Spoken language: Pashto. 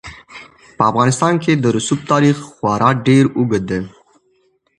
په افغانستان کې د رسوب تاریخ خورا ډېر اوږد دی.